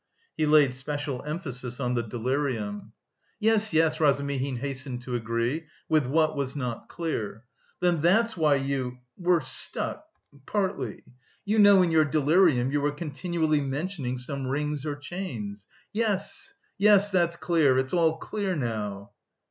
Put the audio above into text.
He laid special emphasis on the delirium. "Yes, yes," Razumihin hastened to agree with what was not clear. "Then that's why you... were stuck... partly... you know in your delirium you were continually mentioning some rings or chains! Yes, yes... that's clear, it's all clear now."